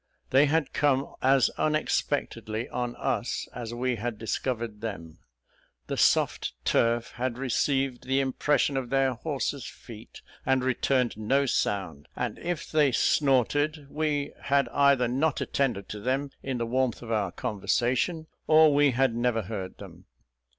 They had come as unexpectedly on us as we had discovered them. The soft turf had received the impression of their horses' feet, and returned no sound; and if they snorted, we had either not attended to them in the warmth of our conversation, or we had never heard them.